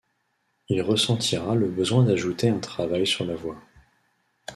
Il ressentira le besoin d'ajouter un travail sur la voix.